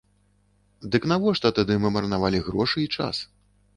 Дык навошта тады мы марнавалі грошы і час?